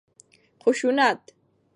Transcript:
خشونت